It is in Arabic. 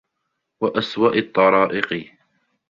وَأَسْوَأِ الطَّرَائِقِ